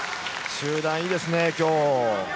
中段いいですね、今日。